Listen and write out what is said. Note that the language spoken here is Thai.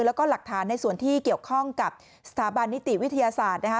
แล้วก็หลักฐานในส่วนที่เกี่ยวข้องกับสถาบันนิติวิทยาศาสตร์นะคะ